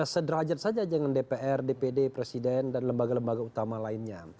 sederajat saja dengan dpr dpd presiden dan lembaga lembaga utama lainnya